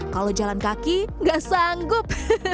kalau jalan kaki gak sanggup